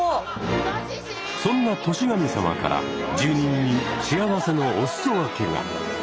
そんな年神様から住人に幸せのお裾分けが。